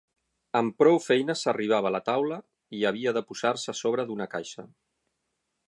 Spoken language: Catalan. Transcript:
Amb prou feines arribava a la taula i havia de posar-se a sobre d'una caixa.